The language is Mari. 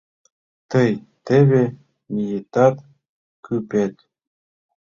Тый теве миетат, кӱпет!